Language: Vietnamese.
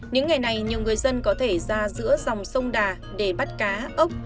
những ngày này nhiều người dân có thể ra giữa dòng sông đà để bắt cá ốc